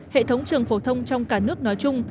hệ thống trường phổ thông trong cả nước nói chung